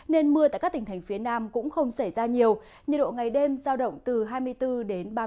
nên mưa tại các tỉnh thành phía nam cũng không xảy ra nhiều nhiệt độ ngày đêm giao động từ hai mươi bốn đến ba mươi độ